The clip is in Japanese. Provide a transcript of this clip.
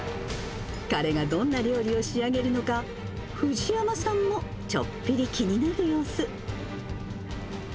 彼がどんな料理を仕上げるのか、藤山さんもちょっぴり気になる様子。